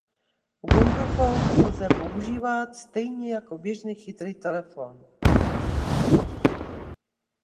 Ubuntu Phone lze používat stejně jako běžný chytrý telefon.